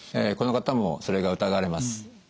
この方もそれが疑われます。